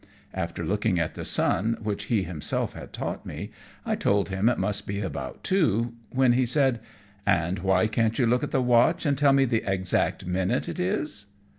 After looking at the sun, which he himself had taught me, I told him it must be about two; when he said, "And why can't you look at the watch, and tell me the exact minute it is?"